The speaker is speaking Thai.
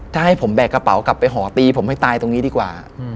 ถ้าให้ผมแบกกระเป๋ากลับไปหอตีผมให้ตายตรงนี้ดีกว่า